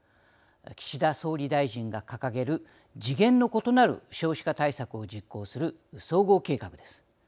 岸田総理大臣が掲げる次元の異なる少子化対策を実行する総合計画です。